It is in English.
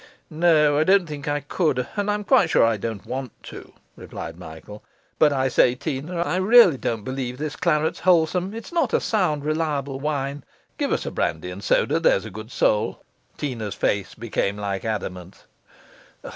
'No, I don't think I could, and I'm quite sure I don't want to,' replied Michael. 'But I say, Teena, I really don't believe this claret's wholesome; it's not a sound, reliable wine. Give us a brandy and soda, there's a good soul.' Teena's face became like adamant.